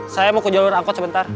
saya mau ke jalur angkot sebentar